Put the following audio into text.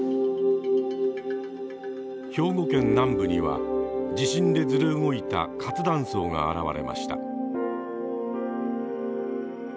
兵庫県南部には地震でずれ動いた活断層が現れました。